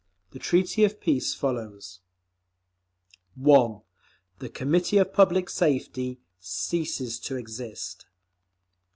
The treaty of peace follows: 1. The Committee of Public Safety ceases to exist.